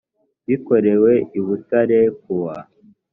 bikorewe i butare kuwa